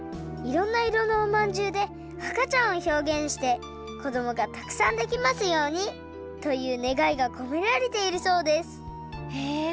いろんないろのおまんじゅうであかちゃんをひょうげんしてこどもがたくさんできますようにというねがいがこめられているそうですへえ！